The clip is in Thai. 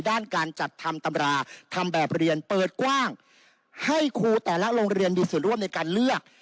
ด้านการจัดทำตำราทำแบบเรียนเปิดกว้างให้ครูแต่ละโรงเรียนมีส่วนร่วมในการเลือก